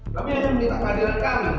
kami hanya ingin kehadiran kami